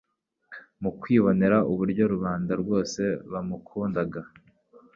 Mu kwibonera uburyo rubanda rwose bamukundaga,